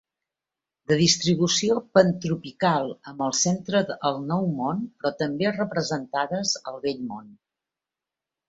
De distribució pantropical amb el centre al Nou Món però també representades al vell Món.